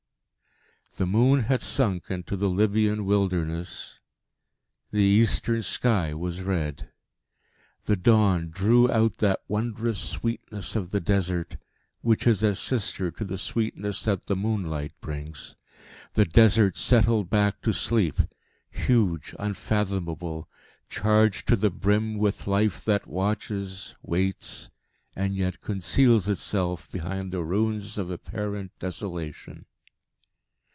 The moon had sunk into the Libyan wilderness; the eastern sky was red. The dawn drew out that wondrous sweetness of the Desert, which is as sister to the sweetness that the moonlight brings. The Desert settled back to sleep, huge, unfathomable, charged to the brim with life that watches, waits, and yet conceals itself behind the ruins of apparent desolation.